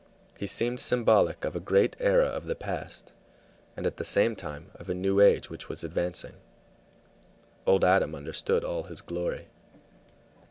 He seemed symbolic of a great era of the past, and at the same time of a new age which was advancing. Old Adam understood all his glory.